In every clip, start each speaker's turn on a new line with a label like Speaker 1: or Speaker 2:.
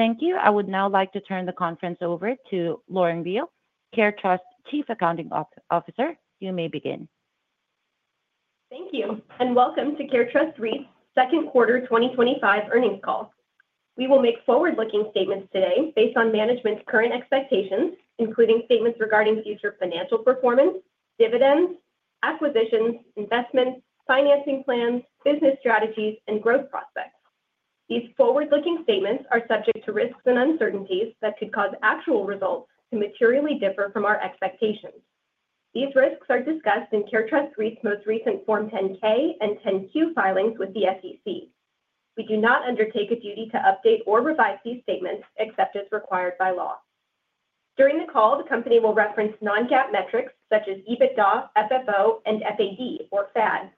Speaker 1: Thank you. I would now like to turn the conference over to Lauren Beale, CareTrust REIT Chief Accounting Officer. You may begin.
Speaker 2: Thank you, and welcome to CareTrust REIT's Second Quarter 2025 Earnings Call. We will make forward-looking statements today based on management's current expectations, including statements regarding future financial performance, dividends, acquisitions, investments, financing plans, business strategies, and growth prospects. These forward-looking statements are subject to risks and uncertainties that could cause actual results to materially differ from our expectations. These risks are discussed in CareTrust REIT's most recent Form 10-K and 10-Q filings with the SEC. We do not undertake a duty to update or revise these statements except as required by law. During the call, the company will reference non-GAAP metrics such as EBITDA, FFO, and FAD.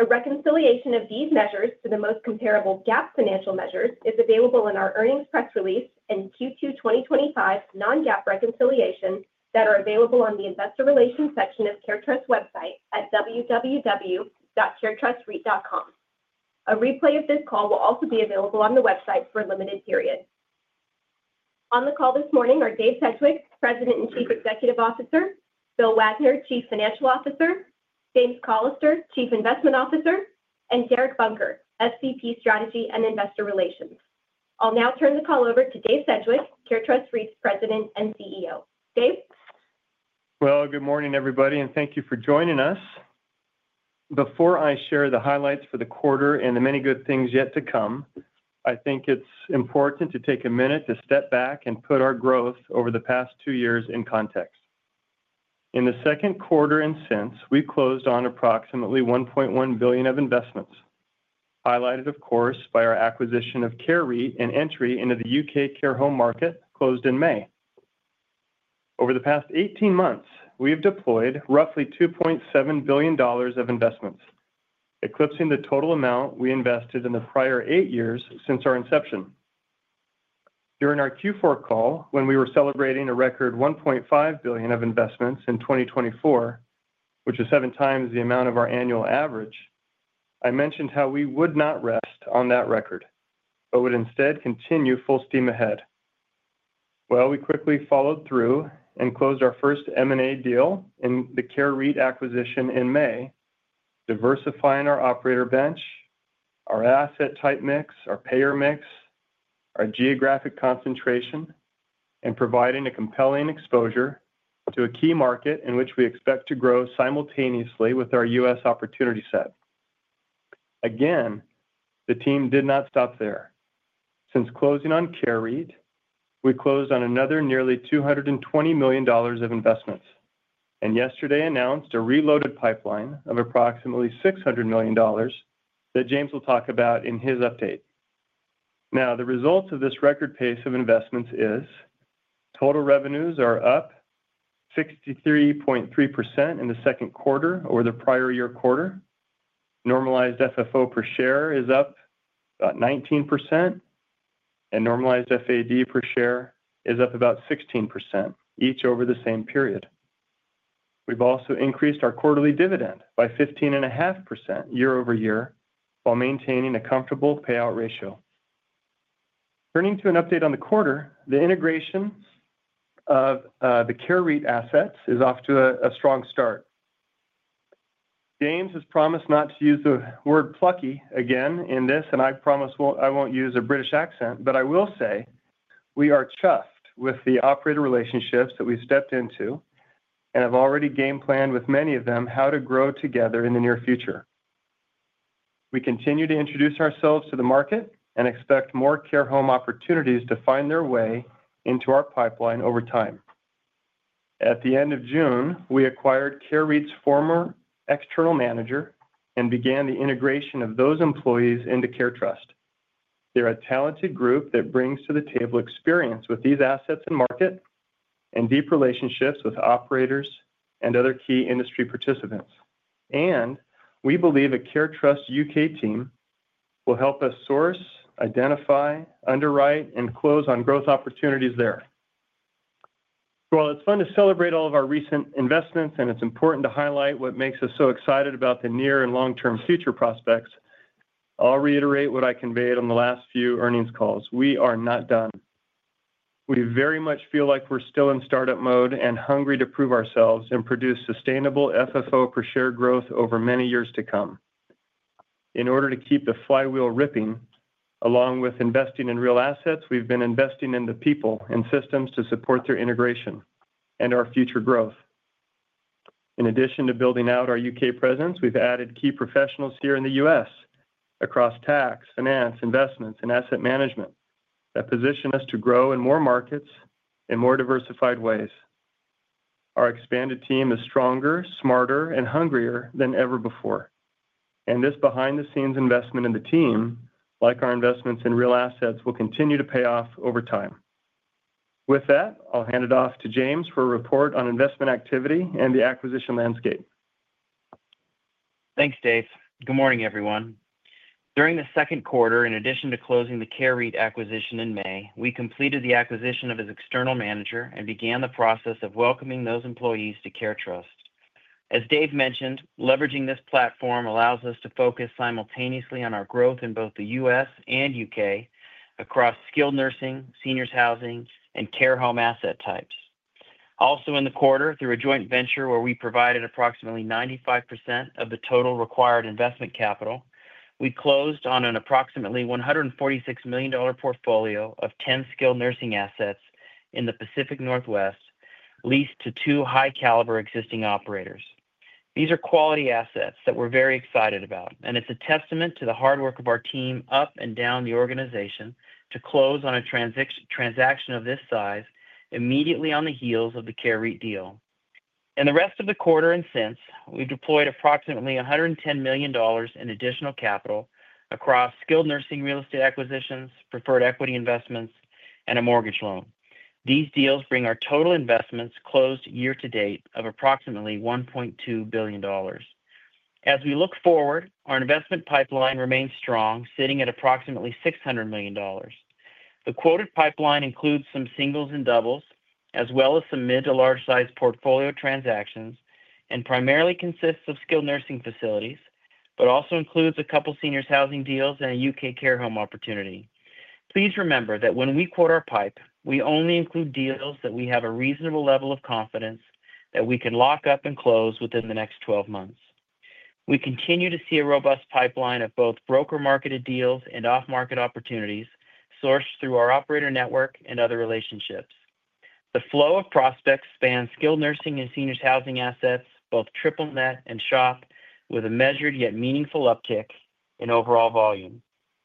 Speaker 2: A reconciliation of these measures to the most comparable GAAP financial measures is available in our earnings press release and Q2 2025 non-GAAP reconciliation that are available on the Investor Relations section of CareTrust REIT's website at www.caretrustreit.com. A replay of this call will also be available on the website for a limited period. On the call this morning are David M. Sedgwick, President and Chief Executive Officer; William M. Wagner, Chief Financial Officer; James B. Callister, Chief Investment Officer; and Derek J. Bunker, FCP Strategy and Investor Relations. I'll now turn the call over to David M. Sedgwick, CareTrust REIT's President and CEO. Dave?
Speaker 3: Good morning, everybody, and thank you for joining us. Before I share the highlights for the quarter and the many good things yet to come, I think it's important to take a minute to step back and put our growth over the past two years in context. In the second quarter and since, we've closed on approximately $1.1 billion of investments, highlighted, of course, by our acquisition of Care REIT and entry into the U.K. care home market closed in May. Over the past 18 months, we have deployed roughly $2.7 billion of investments, eclipsing the total amount we invested in the prior eight years since our inception. During our Q4 call, when we were celebrating a record $1.5 billion of investments in 2024, which is seven times the amount of our annual average, I mentioned how we would not rest on that record but would instead continue full steam ahead. We quickly followed through and closed our first M&A deal in the Care REIT acquisition in May, diversifying our operator bench, our asset type mix, our payer mix, our geographic concentration, and providing a compelling exposure to a key market in which we expect to grow simultaneously with our U.S. opportunity set. The team did not stop there. Since closing on Care REIT, we closed on another nearly $220 million of investments and yesterday announced a reloaded pipeline of approximately $600 million that James will talk about in his update. The results of this record pace of investments are: total revenues are up 63.3% in the second quarter over the prior year quarter, normalized FFO per share is up about 19%, and normalized FAD per share is up about 16%, each over the same period. We've also increased our quarterly dividend by 15.5% year-over-year while maintaining a comfortable payout ratio. Turning to an update on the quarter, the integration of the Care REIT assets is off to a strong start. James has promised not to use the word "plucky" again in this, and I promise I won't use a British accent, but I will say we are chuffed with the operator relationships that we've stepped into, and I've already game planned with many of them how to grow together in the near future. We continue to introduce ourselves to the market and expect more care home opportunities to find their way into our pipeline over time. At the end of June, we acquired Care REIT's former external manager and began the integration of those employees into CareTrust. They're a talented group that brings to the table experience with these assets and market and deep relationships with operators and other key industry participants. We believe a CareTrust U.K. team will help us source, identify, underwrite, and close on growth opportunities there. It is fun to celebrate all of our recent investments, and it's important to highlight what makes us so excited about the near and long-term future prospects. I'll reiterate what I conveyed on the last few earnings calls: we are not done. We very much feel like we're still in startup mode and hungry to prove ourselves and produce sustainable FFO per share growth over many years to come. In order to keep the flywheel ripping, along with investing in real assets, we've been investing in the people and systems to support their integration and our future growth. In addition to building out our U.K. presence, we've added key professionals here in the U.S. across tax, finance, investments, and asset management that position us to grow in more markets in more diversified ways. Our expanded team is stronger, smarter, and hungrier than ever before, and this behind-the-scenes investment in the team, like our investments in real assets, will continue to pay off over time. With that, I'll hand it off to James for a report on investment activity and the acquisition landscape.
Speaker 4: Thanks, Dave. Good morning, everyone. During the second quarter, in addition to closing the Care REIT acquisition in May, we completed the acquisition of its external manager and began the process of welcoming those employees to CareTrust. As Dave mentioned, leveraging this platform allows us to focus simultaneously on our growth in both the U.S. and U.K. across skilled nursing, seniors housing, and care home asset types. Also in the quarter, through a joint venture where we provided approximately 95% of the total required investment capital, we closed on an approximately $146 million portfolio of 10 skilled nursing assets in the Pacific Northwest leased to two high-caliber existing operators. These are quality assets that we're very excited about, and it's a testament to the hard work of our team up and down the organization to close on a transaction of this size immediately on the heels of the Care REIT deal. In the rest of the quarter and since, we've deployed approximately $110 million in additional capital across skilled nursing real estate acquisitions, preferred equity investments, and a mortgage loan. These deals bring our total investments closed year to date to approximately $1.2 billion. As we look forward, our investment pipeline remains strong, sitting at approximately $600 million. The quoted pipeline includes some singles and doubles, as well as some mid to large-sized portfolio transactions, and primarily consists of skilled nursing facilities, but also includes a couple of seniors housing deals and a U.K. care home opportunity. Please remember that when we quote our pipeline, we only include deals that we have a reasonable level of confidence that we can lock up and close within the next 12 months. We continue to see a robust pipeline of both broker-marketed deals and off-market opportunities sourced through our operator network and other relationships. The flow of prospects spans skilled nursing and seniors housing assets, both triple net and SHOP, with a measured yet meaningful uptick in overall volume.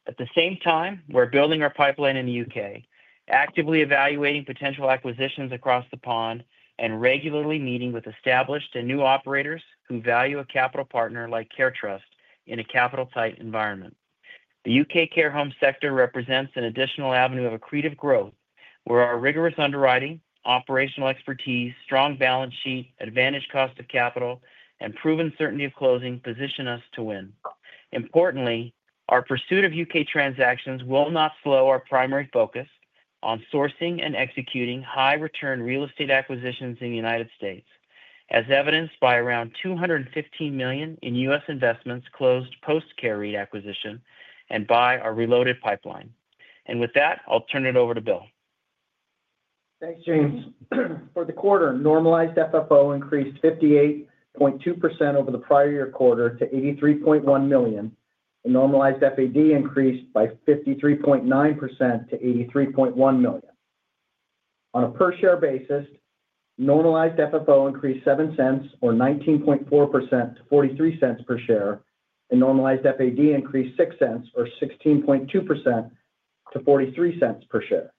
Speaker 4: At the same time, we're building our pipeline in the U.K., actively evaluating potential acquisitions across the pond, and regularly meeting with established and new operators who value a capital partner like CareTrust in a capital-tight environment. The U.K. care home sector represents an additional avenue of accretive growth, where our rigorous underwriting, operational expertise, strong balance sheet, advantaged cost of capital, and proven certainty of closing position us to win. Importantly, our pursuit of U.K. transactions will not slow our primary focus on sourcing and executing high-return real estate acquisitions in the United States, as evidenced by around $215 million in U.S. investments closed post-Care REIT acquisition and by our reloaded pipeline. With that, I'll turn it over to Bill.
Speaker 5: Thanks, James. For the quarter, normalized FFO increased 58.2% over the prior year quarter to $83.1 million, and normalized FAD increased by 53.9% to $83.1 million. On a per-share basis, normalized FFO increased $0.07 or 19.4% to $0.43 per share, and normalized FAD increased $0.06 or 16.2% to $0.43 per share.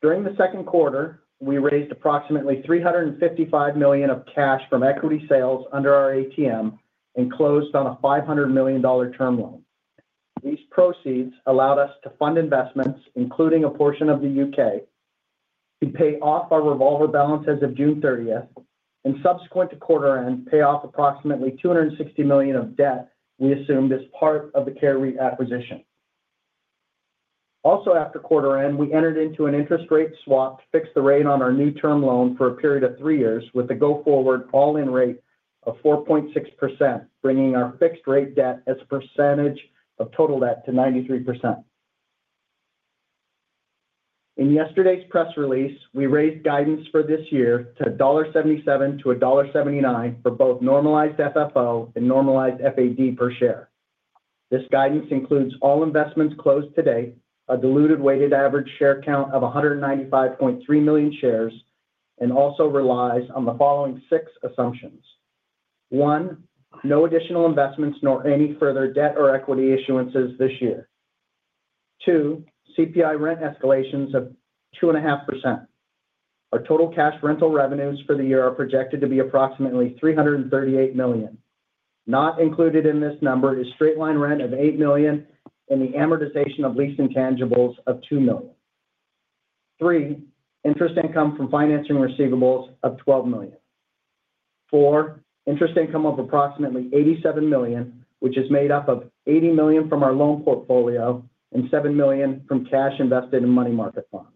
Speaker 5: During the second quarter, we raised approximately $355 million of cash from equity sales under our ATM and closed on a $500 million term loan. These proceeds allowed us to fund investments, including a portion of the U.K., to pay off our revolver balance as of June 30th, and subsequent to quarter-end pay off approximately $260 million of debt we assumed as part of the Care REIT acquisition. Also, after quarter-end, we entered into an interest rate swap to fix the rate on our new term loan for a period of three years with a go-forward all-in rate of 4.6%, bringing our fixed-rate debt as a percentage of total debt to 93%. In yesterday's press release, we raised guidance for this year to $1.77 to $1.79 for both normalized FFO and normalized FAD per share. This guidance includes all investments closed today, a diluted weighted average share count of 195.3 million shares, and also relies on the following six assumptions: one, no additional investments nor any further debt or equity issuances this year; two, CPI rent escalations of 2.5%. Our total cash rental revenues for the year are projected to be approximately $338 million. Not included in this number is straight-line rent of $8 million and the amortization of leasing tangibles of $2 million. Three, interest income from financing receivables of $12 million. Four, interest income of approximately $87 million, which is made up of $80 million from our loan portfolio and $7 million from cash invested in money market bonds.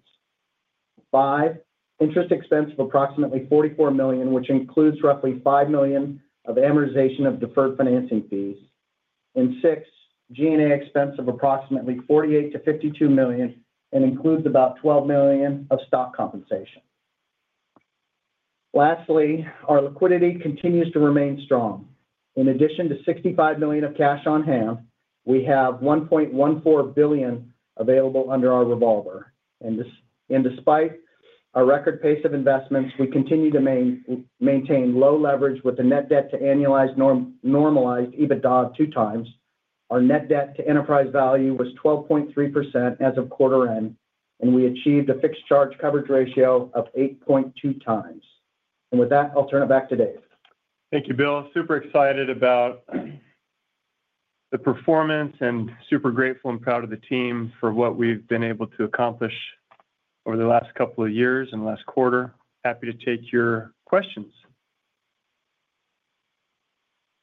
Speaker 5: Five, interest expense of approximately $44 million, which includes roughly $5 million of amortization of deferred financing fees. Six, G&A expense of approximately $48 million-$52 million and includes about $12 million of stock compensation. Lastly, our liquidity continues to remain strong. In addition to $65 million of cash on hand, we have $1.14 billion available under our revolver. Despite our record pace of investments, we continue to maintain low leverage with the net debt to annualized normalized EBITDA of two times. Our net debt to enterprise value was 12.3% as of quarter-end, and we achieved a fixed charge coverage ratio of 8.2 times. With that, I'll turn it back to Dave.
Speaker 3: Thank you, Bill. Super excited about the performance and super grateful and proud of the teams for what we've been able to accomplish over the last couple of years and last quarter. Happy to take your questions.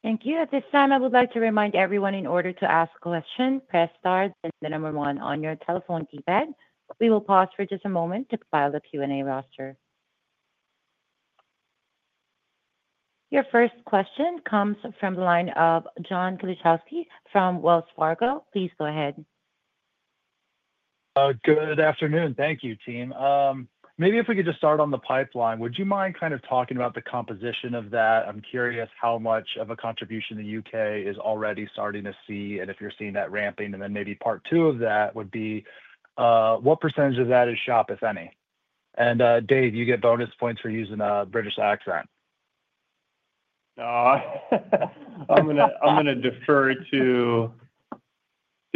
Speaker 1: Thank you. At this time, I would like to remind everyone, in order to ask questions, press star, the number one on your telephone keypad. We will pause for just a moment to file the Q&A roster. Your first question comes from the line of William John Kilichowski from Wells Fargo. Please go ahead.
Speaker 6: Good afternoon. Thank you, team. Maybe if we could just start on the pipeline, would you mind kind of talking about the composition of that? I'm curious how much of a contribution the U.K. is already starting to see and if you're seeing that ramping. Maybe part two of that would be what percentage of that is SHOP, if any? Dave, you get bonus points for using a British accent.
Speaker 3: I'm going to defer to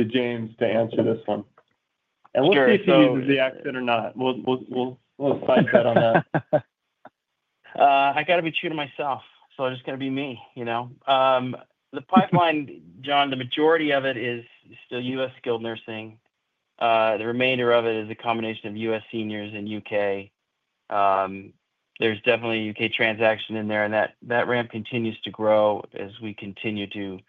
Speaker 3: James to answer this one.
Speaker 6: We'll see if he uses the accent or not.
Speaker 3: We'll fight that.
Speaker 4: I got to be true to myself, so it's just going to be me. You know the pipeline, John, the majority of it is still U.S. skilled nursing. The remainder of it is a combination of U.S. seniors and U.K.. There's definitely a U.K. transaction in there, and that ramp continues to grow as we continue to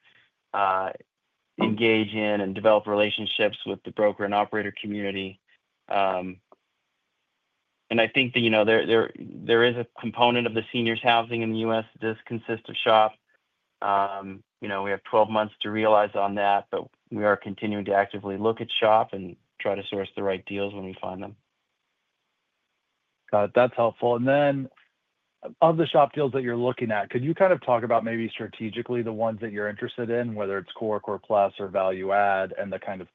Speaker 4: engage in and develop relationships with the broker and operator community. I think that, you know, there is a component of the seniors housing in the U.S. that does consist of SHOP. You know, we have 12 months to realize on that, but we are continuing to actively look at SHOP and try to source the right deals when we find them.
Speaker 6: Got it. That's helpful. Of the SHOP deals that you're looking at, could you kind of talk about maybe strategically the ones that you're interested in, whether it's core, core plus, or value add, and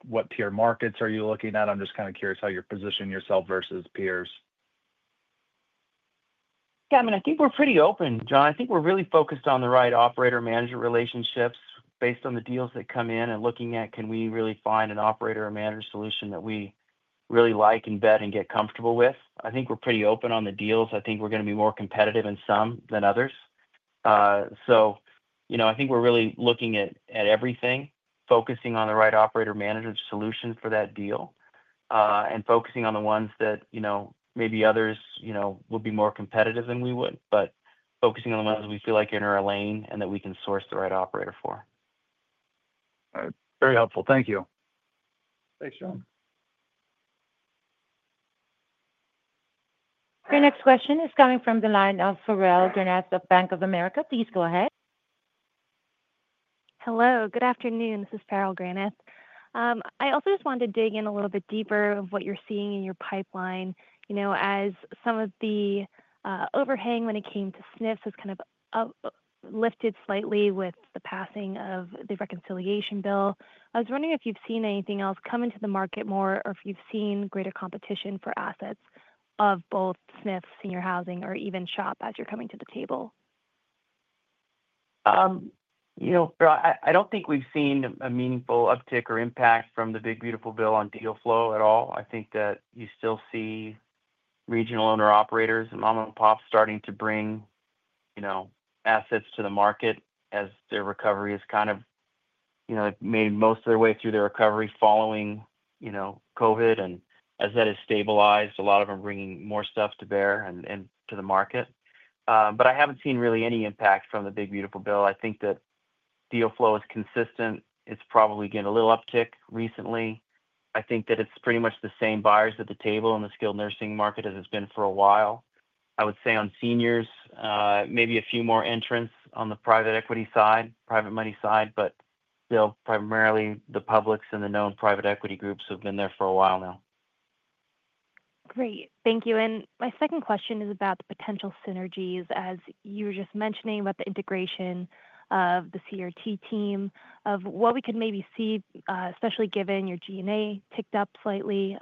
Speaker 6: what tier markets are you looking at? I'm just kind of curious how you're positioning yourself versus peers.
Speaker 4: Yeah, I mean, I think we're pretty open, John. I think we're really focused on the right operator-manager relationships based on the deals that come in and looking at, can we really find an operator or manager solution that we really like and vet and get comfortable with? I think we're pretty open on the deals. I think we're going to be more competitive in some than others. I think we're really looking at everything, focusing on the right operator-manager solutions for that deal and focusing on the ones that maybe others will be more competitive than we would, but focusing on the ones we feel like are in our lane and that we can source the right operator for.
Speaker 6: Very helpful. Thank you.
Speaker 4: Thanks, John.
Speaker 1: Your next question is coming from the line of Farrell Granath of Bank of America. Please go ahead.
Speaker 7: Hello. Good afternoon. This is Farrell Granath. I also just wanted to dig in a little bit deeper of what you're seeing in your pipeline. As some of the overhang when it came to skilled nursing facilities has kind of lifted slightly with the passing of the reconciliation bill, I was wondering if you've seen anything else come into the market more or if you've seen greater competition for assets of both skilled nursing facilities, seniors housing, or even SHOP as you're coming to the table.
Speaker 4: I don't think we've seen a meaningful uptick or impact from the Big Beautiful Bill on deal flow at all. I think that you still see regional owner-operators and mom-and-pops starting to bring assets to the market as their recovery has made most of their way through their recovery following COVID. As that has stabilized, a lot of them are bringing more stuff to bear and to the market. I haven't seen really any impact from the Big Beautiful Bill. I think that deal flow is consistent. It's probably getting a little uptick recently. I think that it's pretty much the same buyers at the table in the skilled nursing market as it's been for a while. I would say on seniors, maybe a few more entrants on the private equity side, private money side, but still primarily the publics and the known private equity groups have been there for a while now.
Speaker 7: Great. Thank you. My second question is about the potential synergies, as you were just mentioning about the integration of the CareTrust REIT team, of what we could maybe see, especially given your G&A ticked up slightly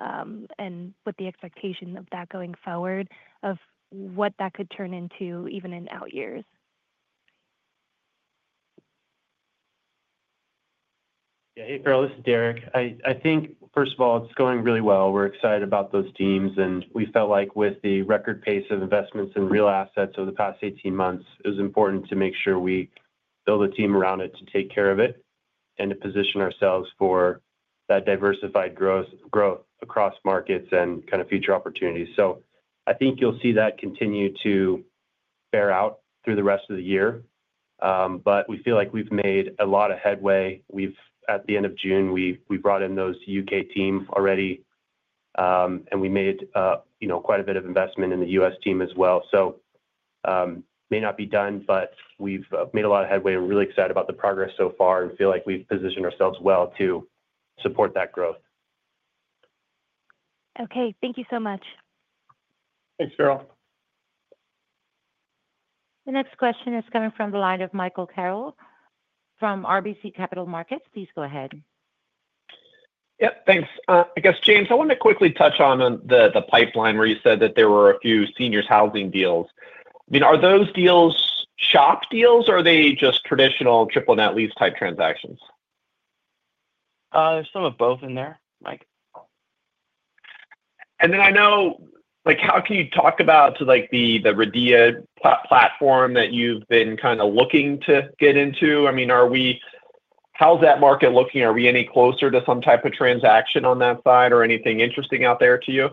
Speaker 7: and with the expectation of that going forward, of what that could turn into even in out years.
Speaker 8: Yeah. Hey, Farrell, this is Derek. I think, first of all, it's going really well. We're excited about those teams. We felt like with the record pace of investments in real assets over the past 18 months, it was important to make sure we build a team around it to take care of it and to position ourselves for that diversified growth across markets and kind of future opportunities. I think you'll see that continue to bear out through the rest of the year. We feel like we've made a lot of headway. At the end of June, we brought in those U.K. teams already, and we made quite a bit of investment in the U.S. team as well. It may not be done, but we've made a lot of headway. We're really excited about the progress so far and feel like we've positioned ourselves well to support that growth.
Speaker 7: Okay, thank you so much.
Speaker 8: Thanks, Farrell.
Speaker 1: The next question is coming from the line of Michael Albert Carroll from RBC Capital Markets. Please go ahead.
Speaker 9: Yeah, thanks. I guess, James, I want to quickly touch on the pipeline where you said that there were a few seniors housing deals. I mean, are those deals SHOP deals, or are they just traditional triple net lease type transactions?
Speaker 3: There's some of both in there, Mike.
Speaker 9: Can you talk about the REDIA platform that you've been kind of looking to get into? I mean, how's that market looking? Are we any closer to some type of transaction on that side or anything interesting out there to you?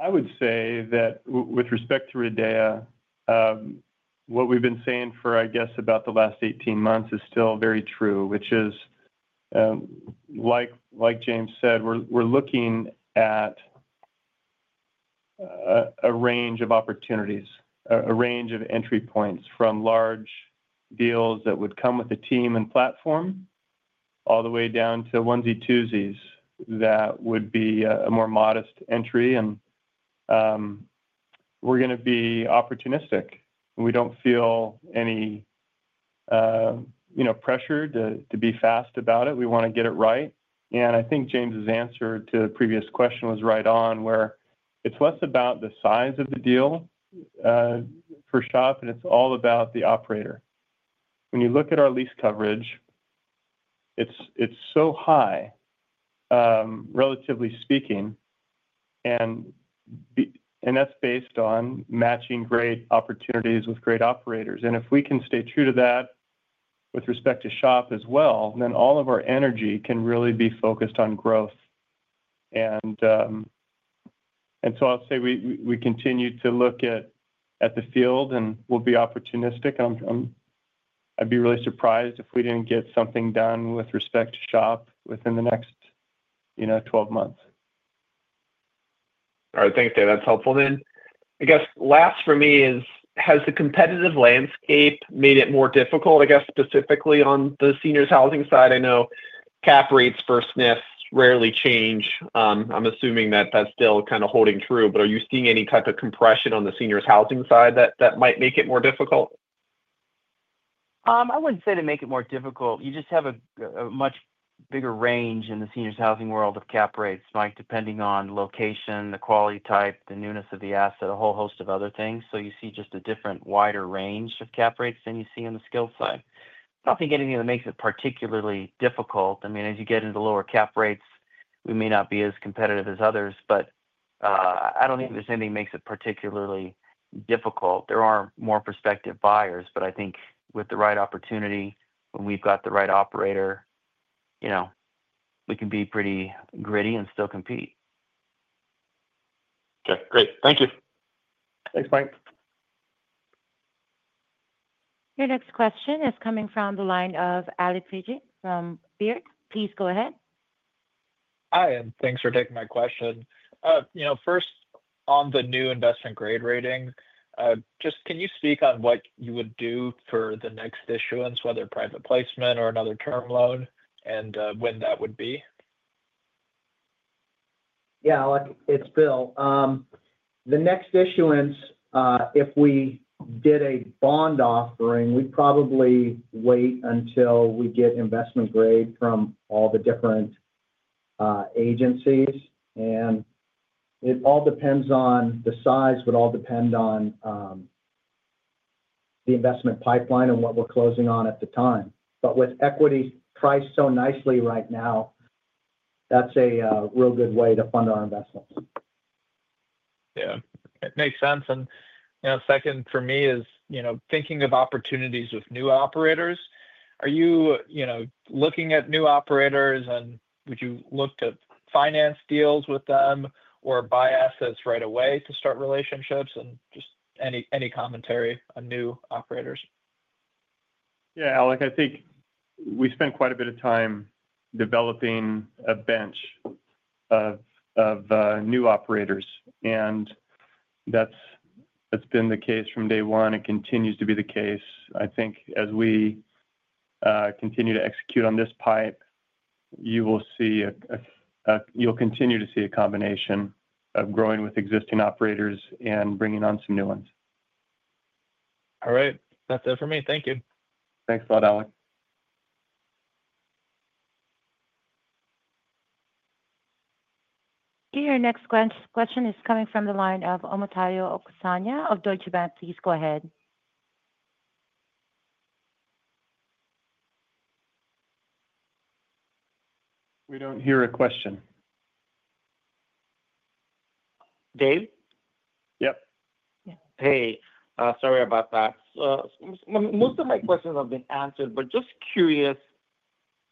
Speaker 3: I would say that with respect to CareTrust REIT, what we've been saying for, I guess, about the last 18 months is still very true, which is, like James said, we're looking at a range of opportunities, a range of entry points from large deals that would come with a team and platform all the way down to onesie-twosies that would be a more modest entry. We're going to be opportunistic. We don't feel any pressure to be fast about it. We want to get it right. I think James's answer to the previous question was right on where it's less about the size of the deal for SHOP, and it's all about the operator. When you look at our lease coverage, it's so high, relatively speaking, and that's based on matching great opportunities with great operators. If we can stay true to that with respect to SHOP as well, then all of our energy can really be focused on growth. I'll say we continue to look at the field and we'll be opportunistic. I'd be really surprised if we didn't get something done with respect to SHOP within the next 12 months.
Speaker 9: All right. Thanks, Dave. That's helpful. I guess last for me is, has the competitive landscape made it more difficult, specifically on the seniors housing side? I know cap rates for SNF rarely change. I'm assuming that that's still kind of holding true. Are you seeing any type of compression on the seniors housing side that might make it more difficult?
Speaker 4: I wouldn't say to make it more difficult. You just have a much bigger range in the seniors housing world of cap rates, Mike, depending on location, the quality type, the newness of the asset, a whole host of other things. You see just a different, wider range of cap rates than you see on the skilled side. I don't think anything that makes it particularly difficult. As you get into lower cap rates, we may not be as competitive as others, but I don't think there's anything that makes it particularly difficult. There are more prospective buyers, but I think with the right opportunity, when we've got the right operator, you know, we can be pretty gritty and still compete.
Speaker 9: Okay, great. Thank you.
Speaker 4: Thanks, Mike.
Speaker 1: Your next question is coming from the line of Alan Pellegrini from Baird. Please go ahead.
Speaker 10: Hi, and thanks for taking my question. First, on the new investment-grade rating, can you speak on what you would do for the next issuance, whether private placement or another term loan, and when that would be?
Speaker 5: Yeah. It's Bill. The next issuance, if we did a bond offering, we'd probably wait until we get investment-grade from all the different agencies. It all depends on the size, would all depend on the investment pipeline and what we're closing on at the time. With equity priced so nicely right now, that's a real good way to fund our investments.
Speaker 10: It makes sense. Second for me is, thinking of opportunities with new operators, are you looking at new operators, and would you look to finance deals with them or buy assets right away to start relationships? Just any commentary on new operators?
Speaker 3: I think we spend quite a bit of time developing a bench of new operators, and that's been the case from day one and continues to be the case. I think as we continue to execute on this pipe, you'll continue to see a combination of growing with existing operators and bringing on some new ones.
Speaker 10: All right. That's it for me. Thank you.
Speaker 3: Thanks a lot, Alan.
Speaker 1: Your next question is coming from the line of Omotayo Tejumade Okusanya of Deutsche Bank. Please go ahead.
Speaker 3: We don't hear a question.
Speaker 11: Dave?
Speaker 3: Yeah.
Speaker 11: Hey, sorry about that. Most of my questions have been answered, but just curious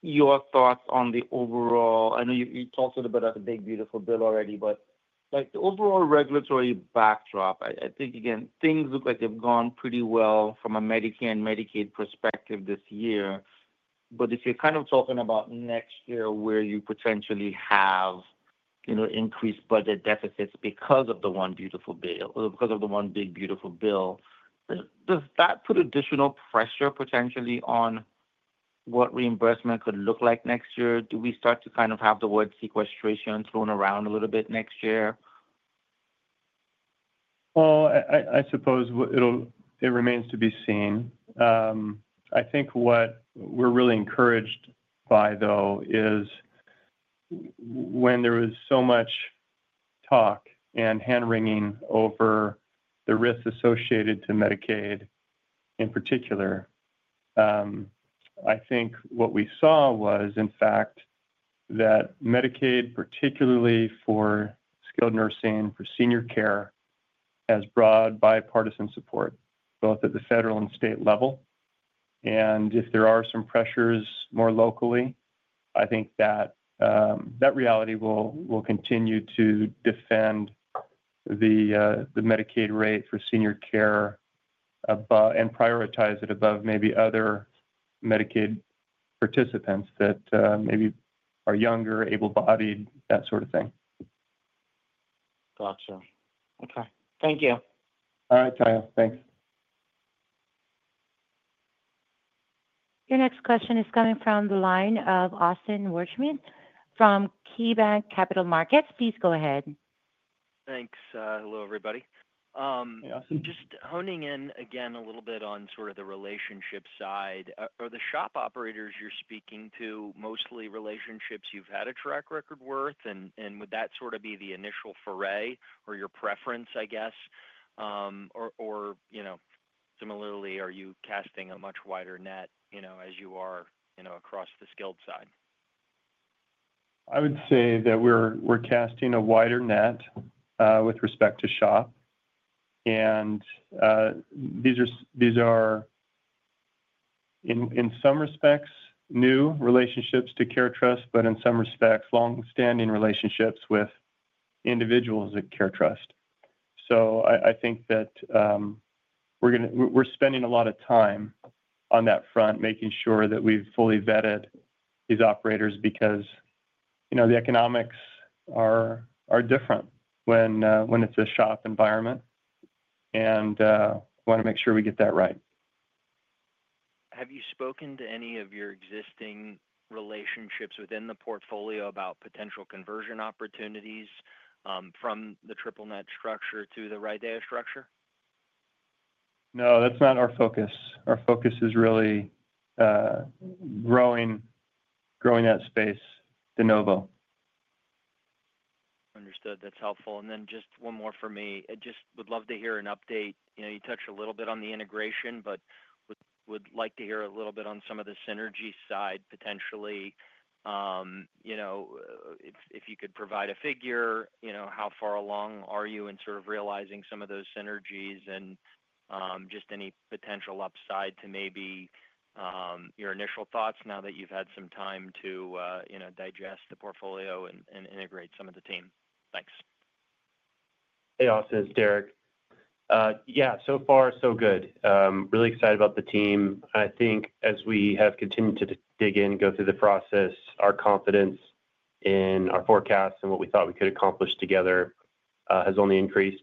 Speaker 11: your thoughts on the overall, I know you talked a little bit about the Big Beautiful Bill already, but the overall regulatory backdrop. I think, again, things look like they've gone pretty well from a Medicaid and Medicaid perspective this year. If you're kind of talking about next year where you potentially have, you know, increased budget deficits because of the One Beautiful Bill or because of the one Big Beautiful Bill, does that put additional pressure potentially on what reimbursement could look like next year? Do we start to kind of have the word sequestration thrown around a little bit next year?
Speaker 3: I suppose it remains to be seen. I think what we're really encouraged by, though, is when there was so much talk and hand-wringing over the risks associated to Medicaid in particular, I think what we saw was, in fact, that Medicaid, particularly for skilled nursing, for senior care, has broad bipartisan support both at the federal and state level. If there are some pressures more locally, I think that that reality will continue to defend the Medicaid rate for senior care and prioritize it above maybe other Medicaid participants that maybe are younger, able-bodied, that sort of thing.
Speaker 11: Gotcha. Okay. Thank you.
Speaker 3: All right, Tayo. Thanks.
Speaker 1: Your next question is coming from the line of Austin Todd Wurschmidt from KeyBank Capital Markets. Please go ahead.
Speaker 12: Thanks. Hello, everybody.
Speaker 3: Hey, Austin.
Speaker 12: Just honing in again a little bit on the relationship side. Are the SHOP operators you're speaking to mostly relationships you've had a track record with? Would that be the initial foray or your preference, I guess? Similarly, are you casting a much wider net as you are across the skilled side?
Speaker 3: I would say that we're casting a wider net with respect to SHOP. These are, in some respects, new relationships to CareTrust REIT, but in some respects, longstanding relationships with individuals at CareTrust REIT. I think that we're spending a lot of time on that front, making sure that we've fully vetted these operators because, you know, the economics are different when it's a SHOP environment. We want to make sure we get that right.
Speaker 12: Have you spoken to any of your existing relationships within the portfolio about potential conversion opportunities from the triple net structure to the REDIA structure?
Speaker 3: No, that's not our focus. Our focus is really growing that space de novo.
Speaker 12: Understood. That's helpful. Just one more for me. I would love to hear an update. You touched a little bit on the integration, but would like to hear a little bit on some of the synergy side potentially. If you could provide a figure, how far along are you in sort of realizing some of those synergies and any potential upside to maybe your initial thoughts now that you've had some time to digest the portfolio and integrate some of the team? Thanks.
Speaker 8: Hey, Austin. It's Derek. Yeah, so far, so good. Really excited about the team. I think as we have continued to dig in, go through the process, our confidence in our forecast and what we thought we could accomplish together has only increased.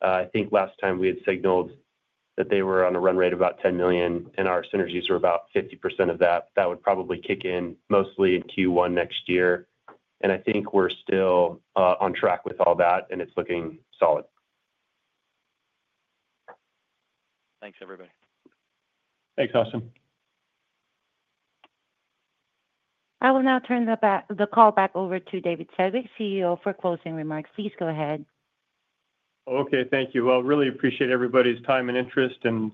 Speaker 8: I think last time we had signaled that they were on a run rate of about $10 million and our synergies were about 50% of that. That would probably kick in mostly in Q1 next year. I think we're still on track with all that, and it's looking solid.
Speaker 12: Thanks, everybody.
Speaker 3: Thanks, Austin.
Speaker 1: I will now turn the call back over to David M. Sedgwick, CEO, for closing remarks. Please go ahead.
Speaker 3: Thank you. Really appreciate everybody's time and interest and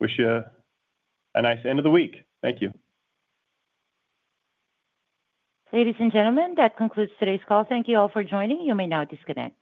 Speaker 3: wish you a nice end of the week. Thank you.
Speaker 1: Ladies and gentlemen, that concludes today's call. Thank you all for joining. You may now disconnect.